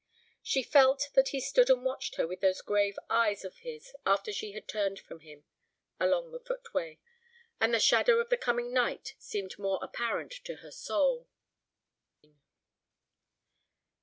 She felt that he stood and watched her with those grave eyes of his after she had turned from him along the footway. And the shadow of the coming night seemed more apparent to her soul.